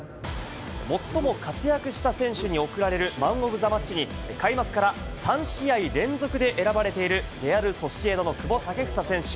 最も活躍した選手に贈られるマン・オブ・ザ・マッチに、開幕から３試合連続で選ばれているレアル・ソシエダの久保建英選手。